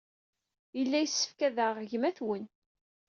Yella yessefk ad aɣeɣ gma-twen.